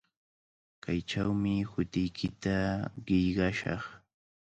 Kaychawmi hutiykita qillqashaq.